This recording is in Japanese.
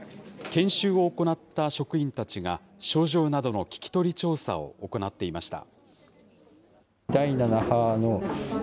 研修を行った職員たちが、症状などの聞き取り調査を行っていました。